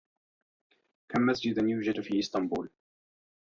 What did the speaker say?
كم مسجدا يوجد في إسطنبول؟